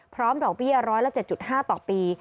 พร้อมดอกเบี้ยร้อยละ๗๕ต่อปี